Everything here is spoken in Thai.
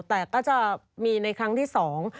แต่ก็จะมีในครั้งที่สอง